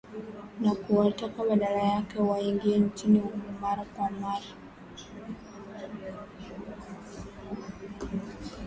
Na kuwataka badala yake waingie nchini humo mara kwa mara